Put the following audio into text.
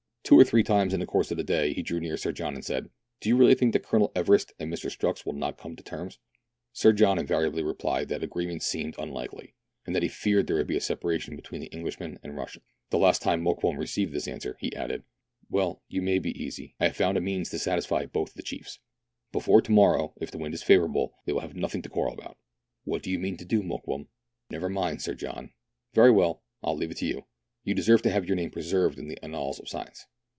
Two or three times in the course of the day he drew near Sir John and said, —" So you really think that Colonel Everest and Mr. Strux will not come to terms ?" Sir John invariably replied that agreement seemed un likely, and that he feared there would be a separation between Englishmen and Russians. The last time Mokoum received this answer he added, —" Well, you may be easy ; I have found a means to satisfy both the chiefs. Before to morrow, if the wind is favourable, they will have nothing to quarrel about." " What do you mean to do, Mokoum ?"" Never mind, Sir John." " Very well, I will leave it to you. You deserve to have your name preserved in the annals of science."